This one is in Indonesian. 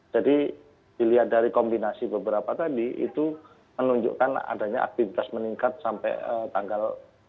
jadi dilihat dari kombinasi beberapa tadi itu menunjukkan adanya aktivitas meningkat sampai tanggal tiga atau tanggal empat